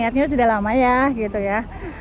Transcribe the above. niatnya sudah lama ya gitu ya